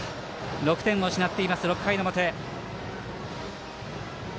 ６点を失っている６回の表。